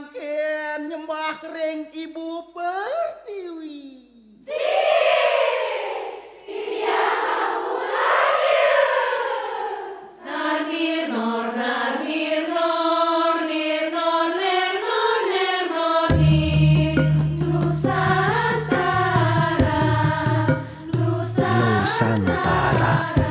duh santara duh santara